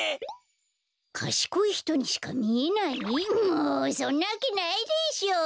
もうそんなわけないでしょ。